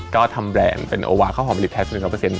ก็ทำแบรนด์เป็นโอวาข้าวหอมลิตรแทนสัก๑๐๐